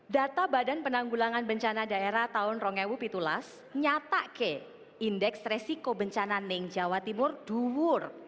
data badan penanggulangan bencana daerah tahun rongewu pitulas nyatake indeks resiko bencana ning jawa timur duwur